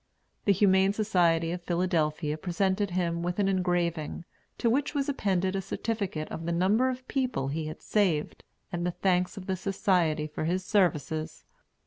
The Humane Society of Philadelphia presented him with an engraving, to which was appended a certificate of the number of people he had saved, and the thanks of the Society for his services.